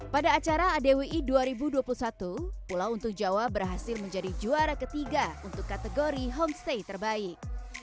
pada acara adwi dua ribu dua puluh satu pulau untung jawa berhasil menjadi juara ketiga untuk kategori homestay terbaik